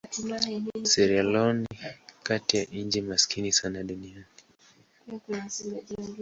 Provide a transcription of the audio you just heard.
Sierra Leone ni kati ya nchi maskini sana duniani.